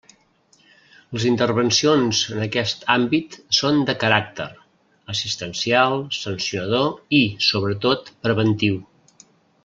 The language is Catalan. Les intervencions en aquest àmbit són de caràcter: assistencial, sancionador i, sobretot, preventiu.